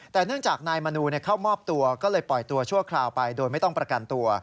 แต่เนื่องจากนายมนูเข้ามอบตัวก็เลยปล่อยตัวชั่วคราวไปโดยไม่ต้องประกันตัว